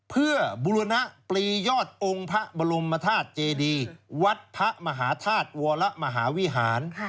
เพื่อบุรณปลียอดองค์พระบรมธาตุเจดีวัดพระมหาธาตุวรมหาวิหาร